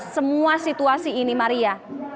semua situasi ini maria